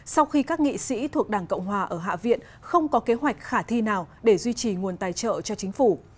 sau khi các nghị sĩ thuộc đảng cộng hòa ở hạ viện không có kế hoạch khả thi nào để duy trì nguồn tài trợ cho chính phủ